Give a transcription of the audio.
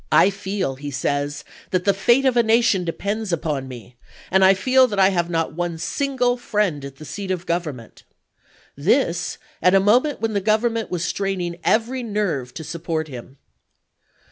"I feel," he says, "that the fate of a nation depends upon me, and I feel that I have not one single friend at the seat of Govern ment "— this at a moment when the Government was straining every nerve to support him.